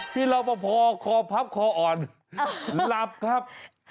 พี่เต๋อลบป่าวคอพักคออ่อนหลับครับ